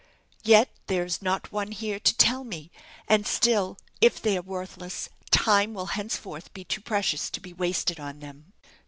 Yet there is not one here to tell me; and still, if they are worthless, time will henceforth be too precious to be wasted on them.